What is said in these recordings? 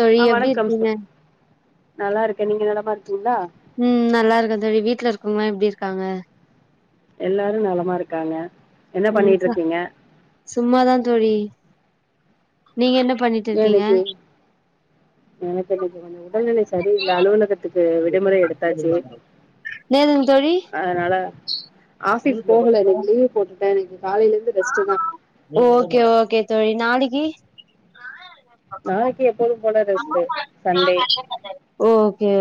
தோழி எப்டி இருக்கீங்க நல்லாருக்கேன் நீங்க நல்லாமா இருக் உம் நல்லாருக்கோ தோழி வீட்ல இருக்கவங்ளா எப்டி இரு இருக்காங்க எல்லாரும் நலமா இருக்காங்க என்ன ம் பண்ணிட்டு ச இருக்கீங்க சும்மாதா தோழி நீங்க என்ன பண்ணிட்டு ஏ இருக்கீங்க இன்னக்கி எனக்கு இன்னக்கி கொஞ்சோ உடல்நிலை சரி இல்ல அலுவலகத்துக்கு விடுமுறை எடுத்தாச்சு என்னதுங்க தோழி அதனால ஆபீஸ் போகல இன்னைக்கு லீவ் போட்டுட்டே இன்னைக்கு காலேல இருந்து ரெஸ்டு தா ஓகே ஓகே தோழி நாளக்கி நாளைக்கி எப்போதும் போல ரெஸ்ட்டு சண்டே சேரி ஓகே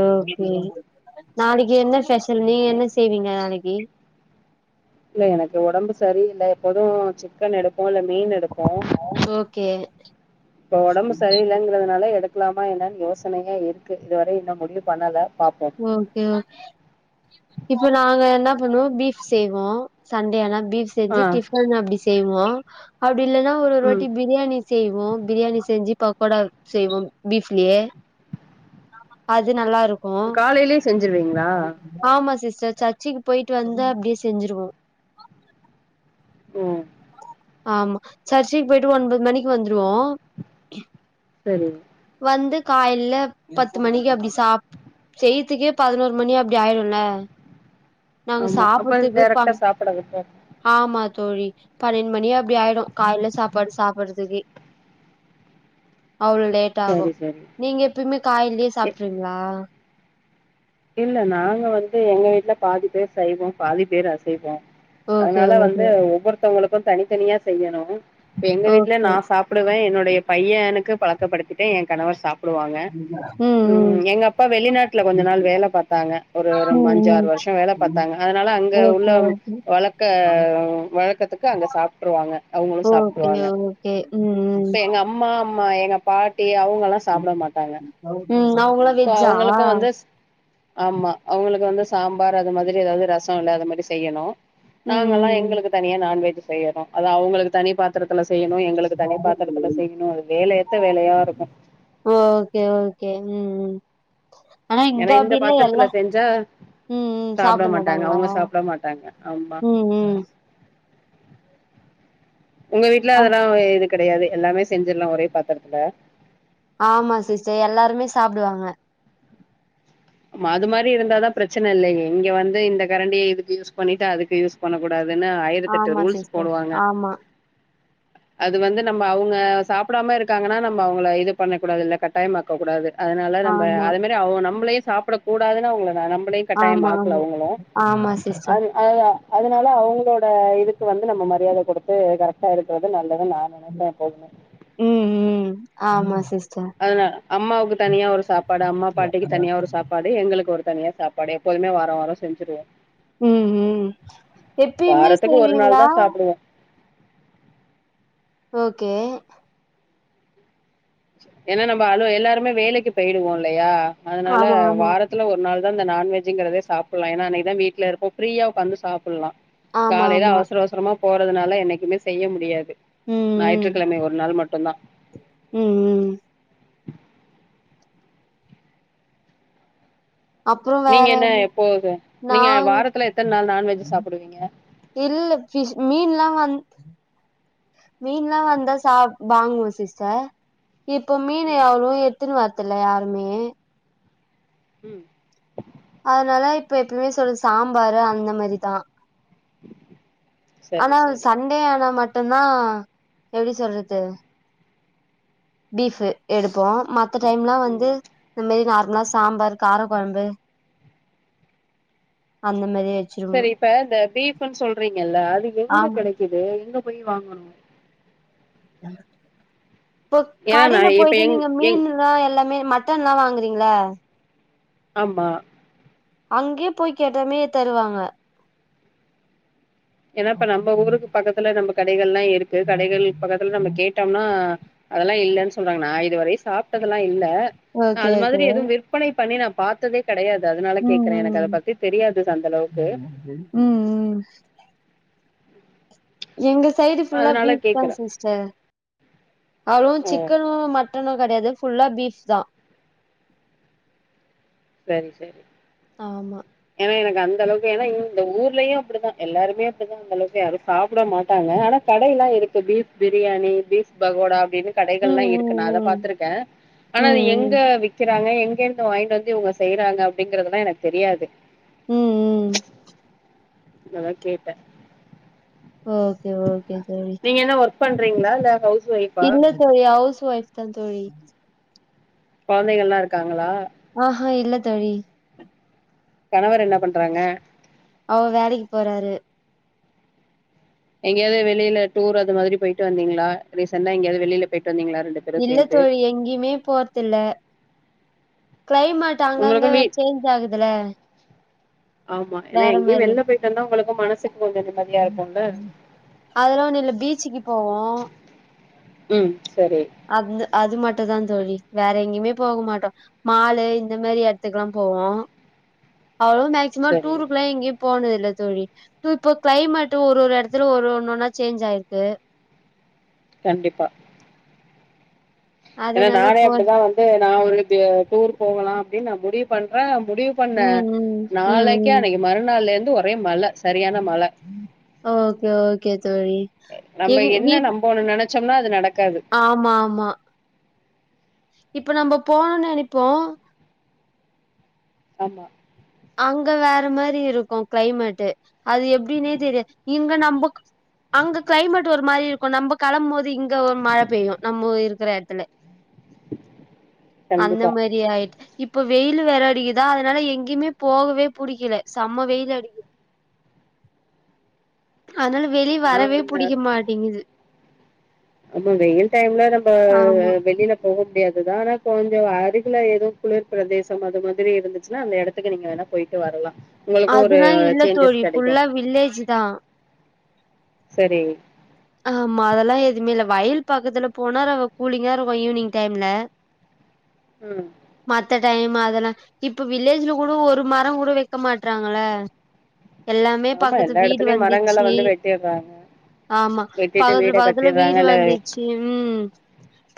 நாளைக்கு என்ன ஸ்பெஷல் நீங்க என்ன செய்வீங்க நாளக்கி இல்ல எனக்கு ஒடம்பு சரியில்ல எப்போது சிக்கன் எடுப் போ இல்ல மீன் எடுப்போ ஓகே இப்ப உடம்பு சரியில்லங்குறதுனால எடுக் எடுக்கலாமா என்னனு யோசனையா இருக்கு இதுவரயு இன்னு முடிவு பண்ணல பாப்போ ஓகே ஓ இப்ப நாங்க என்ன பண்ணுவோ பீஃப் செய்வோ சண்டே ஆனா பீஃப் ஆ செஞ்சி டிஃபன் அப்டி செய்வோ அ அப்டி இல்லன்னா ஒரு ஒரு ம் வாட்டி பிரியாணி செய்வோ பிரியாணி செஞ்சு பக்கோடா செய்வோ பீஃப்லயே அது நல்லா இருக் காலைலே செஞ்சுருவீங்களா ச-சர்ச்சிக்கு போயிட்டு வந்தா அப்படியே செஞ்சுருவோ ம் ஆமா சர்ச்சிக்கு போயிட்டு ஒன்பது மணிக்கு வந்துருவோ சரி வந்து காயல பத்து மணிக்கு அப்படி சா செய்யதுக்கே பதினோரு மணி அப்படி ஆயிடுல நாங்க ஆமா அப்ப சாப்புடதுக்குப்பா டைரக்டா சாப்பிட விட்றது ஆமா தோழி பன்னெண்டு மணிே அப்டி ஆயிடோ காயில சாப்பாடு சாப்படுறதுக்கு அவ்ளோ லேட் ஆகு சரி சரி நீங்க எப்பயுமே காயலயே இ சாப்பிட்றீவீங்களா இல்ல நாங்க வந்து எங்க வீட்டுல பாதி பேரு சைவோ பாதி பேரு அசைவோ ஓகே அதனால ஓகே வந்து ஒவ்வொருத்தவங்களுக் தனித்தனியா செய்யணு எங்க வீட்டுல ஓகே நா சாப்பிடுவே என்னுடைய பையனுக்கு பழக்கப்படுத்திட்டே என் கணவர் சாப் புடுவாங்க ம் ம் உம் எங்க அப்பா வெளிநாட்டுல கொஞ்ச நாளு வேல பாத்தாங்க ஒரு ஒரும் ம் அஞ்சாறு ம் வருஷோ வேல பாத்தாங்க அனால அங்க உள்ள ஓகே ஓகே வழக்க வழக்கத்துக்கு அங்க சாப்புட்டுருவாங்க அவங்களு ஓகே சாப்புட்டுருவாங்க ஓகே ம் இப்ப எங்க அம்மா அம் மா எங்க பாட் ம் அவங்களா சோ வெஜ்ஜா அவங்களுக்கு வந்து ஆமா அவங்களுக் வந்து சாம்பார் அது மாதிரி ஏதாவது ரச இல்ல அந் மாதிரி செய்யணு ம் நாங்க எல்லா ம் எங்களுக்கு தனியா நான்வெஜ் செய்யற அத அவங்களுக்கு தனி பாத்திரத்துல செய்யணு எங்களுக்கு தனி இத்துல செய்யணு அது வேல எத்த வேலயாருக்கு உம் ஏனா இந்த பாத்திரத்துல செஞ்சா ம் ம் சாப்பிட சாப்ட மாட்டாங்க மாட்டாங்களா அவங்க சாப்பிட மாட்டாங்க ஆமா ம் ம் உங்க வீட்டுல அ அதெல்லா இது கிடையாது எல்லாமே செஞ்சிடலா ஒரே பாத்திரத்துல ஆமா சிஸ்டர் எல்லாருமே சாப்பிடுவாங்க அது மாரி இருந்தாதா பிரச்சன இல்லயே இங்க வந்து இந்த கரண்டிய இதுக்கு யூஸ் பண்ணிட்டு அதுக்கு யூஸ் பண்ண கூடாது ப்பனு ஆயிரத்தெட்டு ஆமா ரூல்ஸ் சிஸ்டர் போடுவாங்க ஆமா அது வந்து நம்ம அவங்க சாப்பிடாம இருக்காங்கன்னா நம்ம அவங்கள இது பண்ண கூடாது இல்ல கட்டாயமாக்க கூடாது அதனால நம்ம ஆமா அது மாரி அவங் நம்ளயு சாப்ட கூடாதுன்னா அவுங்க நம்மளையு ஆமா கட்டாயமாக்கல ஆமா அவுங்களு ஆமா அ சிஸ்டர் அத அதனால அவங்களோட இதுக்கு வந்து நம்ம மரியாத கொடுக் இது கரேட்டா இருக்குறது நல்ல உம் உம் ஆமா சிஸ் அதன அம்மாவுக்கு தனியா ஒரு சாப்பாடு அம்மா பாட்டிக்கு தனியா ஒரு சாப்பாடு எங்களுக்கு ஒரு தனியா சாப்பாடு எப்போதுமே வார வர செஞ்சுருவோ உம் உம் எப்பயுமே வாரத்துக்கு ஒரு நாள் செய்வீங்களா தா சாப்பிடுவோ ஓகே ஏனா நம்ம அல எல்லாருமே வேலைக்கு போயிடுவோ இல்லையா அதனால ஆமா, ஆமா. வாரத்துல ஒரு நாள் அந்த நான்வெஜ்ங்கறதே சாப்பிடலா எனா அன்னைக்தா வீட்ல இருப்போ ஃப்ரீயா ஒக்கார்ந் சாப் ப்புலா ஆமா, காலயில ஆமா. அவசர அவசரமா போறதுனால என்னைக்குமே செய்ய முடியாது ஞாயிற்றுக்கிழமை ஒரு நாள் மட்டு மட்டும்தா உம் உம் அப்புறோ நீங்க வேற என்ன எப்போ இது நீங்க நாங் வாரத்துல எத்தன் நாள் நான்வெஜ் சாப்புடுவீங்க இல்ல மீன்ல்லா வந் மீன்ல்லா வந்தா சாப் வாங்குவோ சிஸ்டர் இப்போ மீன் ம் [unintelligible] த்துன் வரதுல யாருமே உம் அதனால இப்ப எப்பயுமே சொல்ற சாம்பாரு அந்த மாரிதா சரி ஆனா சரி சண்டே ஆனா மட் மட்டு்தா எப்டி சொல்றது பீஃப்பு எடுப்போ மத் த டைம்லா வந்து ம் இந்த மாரி சாம்பார் கார குழம்பு அந்த மாரி சரி வச்சுருவோம். இப்ப இந்த பீஃப்ன்னு சொல்றீங்கல்ல அது எங்க ஆமா. கெடைக்குது எங்க போய் வாங்கணு [unintelligible] இப்ப ஏன்னா நா கடையில இப்ப போயிட்டு எங் நீங்க எங் மீன் எல்லாம் எல்லாமே மட்டன்ல்லாம் வாங்குறீங்கள ஆமா அங்கே போய் கேட்டாமே தருவாங்க ஏன்னாப்ப நம்ம ஊருக்கு பக்கத்துல நம்ம எல்லாம் இருக்கு கடைகள் பக்கத்துல நம்ம கேட்டோம்னா அதெல்லாம் இல்லன்னு சொல்றாங்க நான் இதுவரைையும் சாப்பிட்டததுல்லா இல்ல ஓகே அது ஓகே மாதிரி எதுவும் விற்பனை பண்ணி நான் பாத்ததே கிடையாது அதனால ம் கேக்குறேன் எனக்கு ம் அத பத்தி தெரியாது சஅந்த அளவுக்கு ம் ம் எங்க சைடு ஃபுல்லா அதனால பீஸ் தான் கேக்குறே சிஸ்டர் அவ்ளும் ஓ சிக்கனும் மட்டனும் கிடையாது ஃபுல்லா பீஃப் தான் சரி சரி ஆமா எனக்கு அந்தளவுக்கு இந்த ஊர்லயும் அப்படிதான் எல்லாரும் அப்டித யாரும் சாப்பிட மாட்டாங்க ஆனா கடைல இருக்கு பீப் பிரியாணி பீப் பகோடா எனு ம் கடைகள்லாம் இருக்கு நான் அத ம் பாத்துருக்கேன் ஆனா ம் அது எங்க ம் விக்க விப்பாங்க எங்க இருந்து வாங்கிட்டு வந்து இவுங்கச்சா செய்யறாங்க அப்படிங்கறதெல்லாம் எனக்கு தெரியாது ம் ம் நதன் கேட்டேன். ஓகே ஓகே செரி. பண்றங்களா ல்ல ஹவுஸ் ஒய்ஃபா இல்ல தோழி ஹவுஸ் ஒய்ஃப் தா தோழி. கொழந்தைகல்லா இருக்காங்களா. ஆ இல்ல தோழி. கணவர் என்ன பண்றாங்க அவுர் வேலைக்கு போறாரு. எங்கயாவது வெளில டூர் அது மாதிரி போயிட்டு வந்தீங்களா ரீ சென்டா எங்கயாவது வெலியில போயிட் இல்ல தோழி எங்கியுமே போற்தில்ல. கிளைமட் அங்கங்க உங்களுக்கு வீ சேஞ் ஆகுதுல்ல. ஆமா ஏன்ன எங்கியும் வெல்ல போயிட்டு ந்தா உங்களுக்கும் மனசுக்கு கொஞ்சம் நிம்மதியா இருக்கும்ல. அதெல்லா ஒண்ணு இல்ல பீச்சுக்கு ம். சரி அந்த அது மட் ட்டு தா தோழி வேற எங்கேயுமே போக மாட்டம் மாலு இந்த மேரி இடத்துக்குல்லாம் போவோ. அவ்வளவா மேக்சிமம் சரி டூருக்குலா எங்கயு போனதில் ல தோழி ப் ப்ப கிளைமேட்டு ஒரு ஒரு எடத்துல ஒரு ஒண்ணொன்னா சேன்ச் ஆயிருக்கு கண்டிப்பா ஏனா அதனால நானே போ அப்படிதா வந்து நா ஒரு டூர் போகலாம் அப்டி நா முடிவு பண்ற முடிவு பண்ண ம் ம் நாளைக்கே அன்னைக்கு மறுநாள்ல இருந் ஒரே மழ சரியான மழ அ ஓகே ஓகே தோழி நம்ம என்ன நம்போணுனா நெனச்சம்னா அது நடக் ஆமாமா இப்ப நம்ப போனு நெனைப்போ ஆமா அங்க வேற மேரி இருக்கு க்ளைமேட்டு் அது எப்டினே தெரியாத் இங்க நம்புக் அங்க க்ளைமேட் ஒரு மாரி இருக்கு நம்ம களம்மோது இங்க ஒர் மழ பெய்யு நம்போ இருக்கிற எடத்துல அந்த கண்டிப்பா மரி ஆயிட் இப்ப வெயிலு வெற அடிகுதா அதனால எங்யுமே போகவே புடிக்கில செம்ம வெயிலு அடிக்கிது அத்னால வெளிய நா வரவே வந்து புடிக்க மாட்டிங்கிது ஆமா வெயில் டைம்ல நம்ப ஆமா வெளில போக எதுதான கொஞ்சோ அறுகுல எது குளிர் பிரதேசோ அது மாரி இருந்துச்சுனா அந்த எடத்துக்கு நீங்க வேணா போய்ட்டு வரலா உங்களுக்கு ஒரு அதுலா இல்ல சேஞ்சஸ் தோழி கெடைக்கு ஃபுல்லா வில்லேஜுதா சரி ஆமா அதெல்லா எதுவுமே இல்ல வயல் பக்கத்துல போனா ரவ கூலிங்கா இருக்கு ஈவினிங் டைம்ல ம் மத்த டைம் அதெலா இப்ப வில்லேஜ்ல கூட ஒரு மரங் கூட வெக்க மாட்றாங்கள எல்லாமே ஆமா பக்கத்து எல்லா வீடு எடத்துலயு மரங்கள வந்திச்சு வந்து வெட்டிடுறாங்க ஆமா வெட்டிட்டு பக்கத்துல வீட பக்கத்துல கட்டிடுறாங்க வீடு இல்ல வந்திச்சு ம்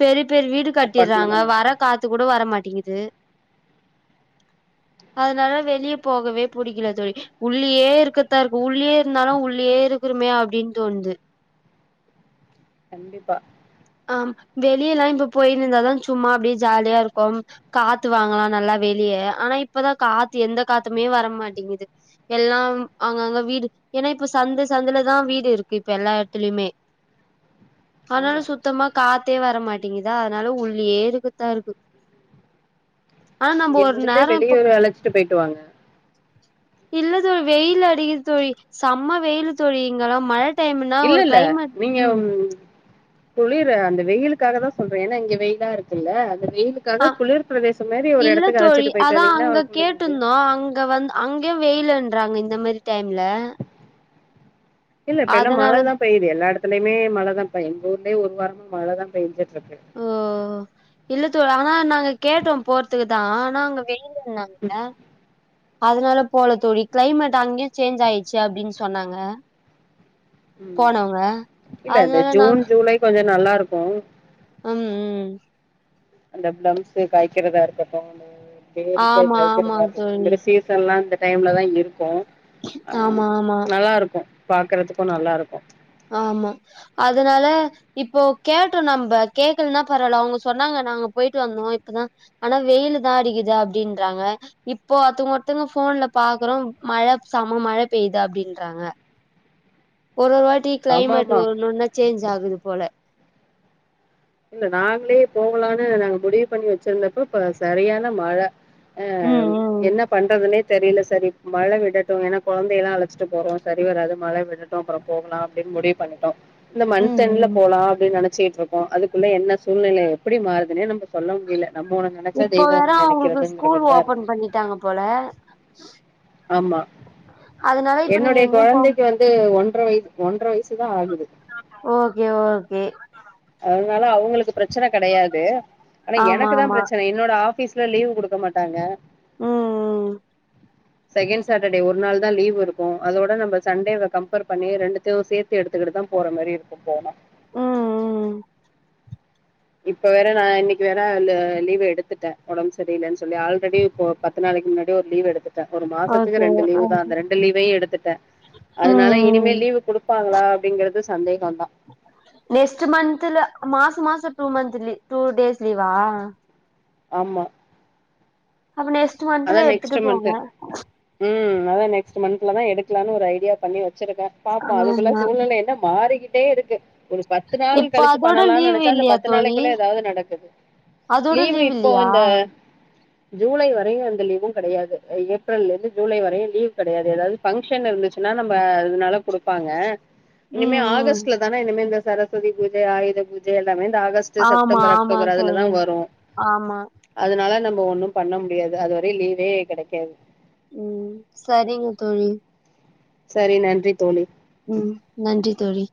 பெரிய பெரிய வீடு கட்டிர்றாங்க அப்பார்ட்மெண்ட் வர காத்து கூட வரமாட்டிங்குது அதனால வெளிய போகவே புடிக்கில தோழி உள்ளயே இருக்கத்தா இருக்கு உள்ளயே இருந்தாலு உள்ளயே இருக்றமே அப்டின் தோணுது கண்டிப்பா ஆ வெளியல்லா இப்ப போயினுந்தாதா சும்மா அப்டியே ஜாலியா இருக்கும் காத்து வாங்கலா நல்லா வெளியே ஆனா இப்பதா காத்து எந்த காத்துமே வரமாட்டிங்குது எல்லா அங்கங்க வீடு ஏனா இப்ப சந்து சந்துலதா வீடு இருக்கு இப்ப எல்லா எடத்துலயுமே அதனால ஆமா சுத் தமா காத்தே வரமாட்டேங்குதா அதனால உள்ளயே இருக்கத்தா இருக்கு ஆனா நம்ம நீங்க ஒரு முடிஞ்சா நேரோ இப்ப வெளியவரு அழச்சிட்டு பெயிட்டு வாங்க இல்ல தோ வெயில் அடிக்குது தோழி செம்ம வெயிலு தோழி இங்களா மழ டைம்னா ஒரு இல்லல்ல கிளைமேட் ம் நீங்கம் குளிரு அந்த வெயிலுக்காக தா சொல்றே ஏன்னா இங்க வெயிலா இருக்குல்ல அது அஹ் இல்ல தோழி அழைச்சிட்டு போயிட்டு அதா வந்தீங்கன்னா அங்க குளிர் கேட்டுந்தோ அங்க வந் அங்கெயு வெயிலுன்றாங்க இந்த மாரி டைம்ல இல்ல இப்பைல்லா அதனால மழதா பெய்து எல்லா எடத் த்துலயுமே மழதாம்ப்பா எங்க ஊர்லயே ஒரு வாரமா மழ தா பேஞ்சத் சது இல்லத் தோ ஆனா நாங்க கேட்டோ போறத்துக்குதா ஆனா அங்க வெயி ல்லுனாங்க ம் அதனால போல தோழி கிளைமேட் அங்யு சேஞ்ச் ஆயிச்சு அப்டின் சொன்னாங்க உம் போனவங்க இல்ல அது அதனால நாங்க ஜூன் ஜூலை கொஞ்சொ நல்லாருக்கு அம் ம் உம் அந்த பிளம்ஸ்ஸு காய்க்கிறதா இருக்கட்டு பேரிக்காய் ஆமா ஆமா காய்க்கிறதா இருக்கட்டு தோழி அதுமாரி சீசன் லா டைம்ல தா இருக்கு ஆஹ் ஆமா ஆமா நல்லா இருக்கு பாக்றதுக்கு நல்லா இருக்கு ஆமா அதனால இப்போ கேட்டோ நம்ப கேக்கல்னா பரவால அவுங்க சொன்னாங்க நாங்க பொய்ட்டு வந்தோ இப்பதா ஆனா வெயிலு தா அடிக்குது அப்டின்றாங்க இப்போ அது ஒருத்தங்க போன்ல பாக்றோ மழ செம மழ பெய்து அப்டின்றாங்க ஒரு ஒரு வ டி ஆமா கிளைமட் ஆமா ஒன்னு ஒன்னா சேஞ் சாகுது போல இல்ல நாங்ளே போகலான்னு நாங்க முடிவு பண்ணி வெச்சிருந்தப்ப இப்ப சரியான மழை அ ம் ம் என்ன பண்றதுனே தெரியல சார் இப் மழ விடட்டும் ஏன்னா குழந்தைய எல்லா அழைச்சிட்டு போறோம் சரி வராது மழ விடட்டும் அப்புறம் போகலாம் அப்டின்னு முடிவு பண்ணிட்டோ இல்ல மந்த் ம் எண்ல ம். போலா அப்டின்னு நென சிட்டு இருக்கு அது குள்ள என்ன சூழ்நில எப்டி மாறுதுனே நம்ம சொல்ல முடில நம்ம ஒன்னு நெனச்சா இப்போ தெய்வோ வேற ஒன்னு அவங்களுக்கு நெனக்கிறதுங்கிற ஸ்கூல் மாரிதா ஓபன் இருக்கு பண்ணிட்டாங்க போல. ஆமா அதனால இப்ப நீங்க என்னுடைய எங்கயும் போ கொழந்தைக்கு வந்து ஒன் ஒன்ற வயது ஒன்ற வயசுதா ஆகுது ஓகே ஓகே அதனால அவுங்களுக்கு பிரச்சன கெடையாது ஆனா ஆமா எனக்குதா ஆமா. பிரச்சன என்னோட ஆஃபீஸ் ல லீவ் குடுக்க மாட்டாங்க ம் ம் செகண்ட் சாட்டர்டே ஒரு நாள் தான் லீவ் இருக்கு அதோட நம்ம சண்டேவே கம்பேர் பண்ணி ரெண்டுத்தையு சேத்து எடுத்துக்கிட்டு தா போற மாரி இருக்கும் போனா ம் ம் இப்ப வேற நா இன்னைக்கு வேற அந்த லீவு எடுத்துட்டே ஒடம்பு சரியில்லனு சொல்லி ஆல்ரெடி இப்போ பத்து நாளைக்கு முன்னாடி ஒரு லீவு எடுத் ஒரு மாசத்துக்கு ஓகே ரெண்டு லீவுதா ஓகே. அந்த ரெண்டு லீவையு எடுத்துட்டே ம் அதனால ம். இனிமேல் லீவு குடுப்பாங்களா அப்டிங்கறது சந்தேகோந்தா நெக்ஸ்ட் மந்த்ல மாச மாசம் two month leave two days லீவா ஆமா அப்ப நெக்ஸ்ட் அதா மந்த்ல எடுத்துட்டு நெக்ஸ்ட் போங்க மந்த்து ம் அதா நெக்ஸ்ட் மந்த்லதா எடுக்கலானு ஒரு ஐடியா பண்ணி வெச்சிருக்க பாப்போ அதுக்குள்ள ஆமா சூழ்நிலை என்ன மாறி தே இருக்கு ஒரு பத்து நாள் இப்ப கழிச்சு அதோட பண்ணலான் லீவ் நெனச்சா அந்த இல்லையா பத்து தோழி நாளைக்குள்ள எதாவது நடக்குது அதோட லீவு லீவ் இப்போ இல்லையா இந்த ஜூலை வ லீவ் அந்த லீவு கெடையாது ஏப்ரலந்து ஜூலை வரையு லீவ் கெடையாது எதாவது ஃபங்க்ஷன் இருந்துச்சுனா நம்ம அதுனால குடுப்பாங்க இனிமே ம் ம் ஆகஸ்ட்லதானே இனிமே இந்த சரஸ்வதி பூஜ ஆயுத பூஜ எல்லாமே இந்த ஆகஸ்ட் ஆமா செப்டம்பர் ஆமா அக்டோபர் அதுலதா தோழி வரு ஆமா அதனால நம் இப்ப ஒன்னு பண்ண முடியாது தா அதுவரையு லீவே கெடைக்காது ம் சரிங்க தோழி சரி நன்றி தோழி ம் நன்றி தோழி